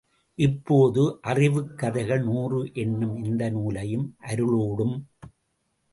இப்போது, அறிவுக் கதைகள் நூறு என்னும் இந்த நூலையும், அருளோடும்.